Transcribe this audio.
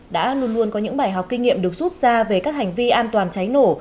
đã luôn luôn có những bài học kinh nghiệm được rút ra về các hành vi an toàn cháy nổ